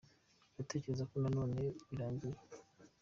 Ndatekereza ko noneho birangiye